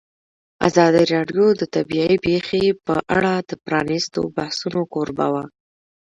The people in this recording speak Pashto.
ازادي راډیو د طبیعي پېښې په اړه د پرانیستو بحثونو کوربه وه.